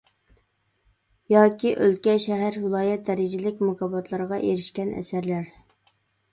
ياكى ئۆلكە، شەھەر، ۋىلايەت دەرىجىلىك مۇكاپاتلارغا ئېرىشكەن ئەسەرلەر.